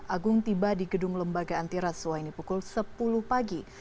agung tiba di gedung lembaga antiraswa ini pukul sepuluh pagi